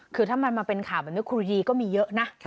คือถ้ามันมาเป็นข่าวแบบนี้ครูยีก็มีเยอะนะ